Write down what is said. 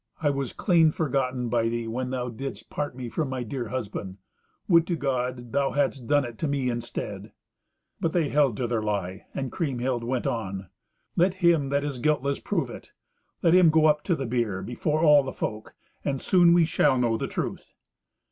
I was clean forgotten by thee when thou didst part me from my dear husband. Would to God thou hadst done it to me instead!" But they held to their lie, and Kriemhild went on. "Let him that is guiltless prove it. Let him go up to the bier before all the folk, and soon we shall know the truth."